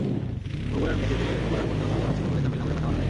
বগুড়ার মেসে থেকে লেখাপড়া করতে অসুবিধা হচ্ছিল বলে জামিলনগরে বাসা ভাড়া নেন।